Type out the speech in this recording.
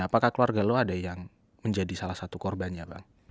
apakah keluarga lo ada yang menjadi salah satu korbannya bang